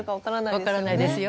分からないですよ。